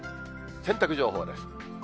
洗濯情報です。